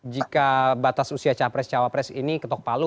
jika batas usia capres cawapres ini ketok palu